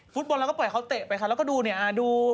ฟุตบอลเราก็ปล่อยเขาเตะไปค่ะแล้วก็ดูเนี่ยดู